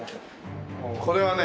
これはね